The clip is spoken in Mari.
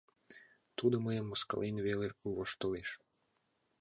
Тудо мыйым мыскылен веле воштылеш...